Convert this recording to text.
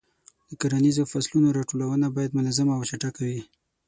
د کرنیزو فصلونو راټولونه باید منظمه او چټکه وي.